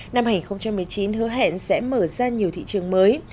năm hai nghìn một mươi chín hứa hẹn sẽ mở ra nhiều thị trường mới